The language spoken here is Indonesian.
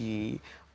itu bisa dikira